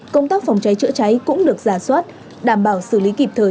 công tác phòng cháy chữa cháy cũng được giả soát đảm bảo xử lý kịp thời